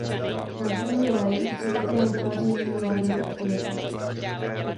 Na Drury Lane se také nachází "New London Theatre".